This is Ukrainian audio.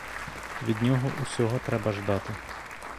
Від нього усього треба ждати.